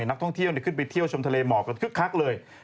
นักท่องเที่ยวขึ้นไปเที่ยวชมทะเลหมอกกันคึกคักเลย